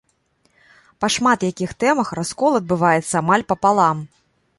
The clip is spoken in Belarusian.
Па шмат якіх тэмах раскол адбываецца амаль папалам.